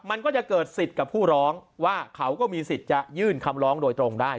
มันก็จะเกิดสิทธิ์กับผู้ร้องว่าเขาก็มีสิทธิ์จะยื่นคำร้องโดยตรงได้